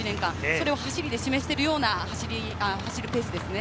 それを示しているような走るペースですね。